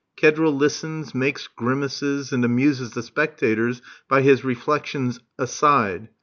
Kedril listens, makes grimaces, and amuses the spectators by his reflections "aside."